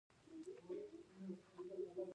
د باغ دروازه باید څومره لویه وي؟